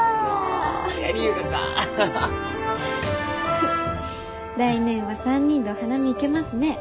フッ来年は３人でお花見行けますね。